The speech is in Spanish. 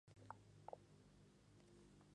El episodio termina con la familia Simpson en Francia.